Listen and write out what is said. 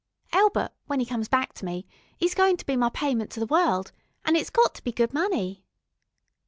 Elbert, when 'e comes back to me, 'e's going to be my payment to the world, an' it's got to be good money.